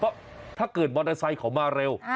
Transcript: เพราะถ้าเกิดมอเตอร์ไซค์เขามาเร็ว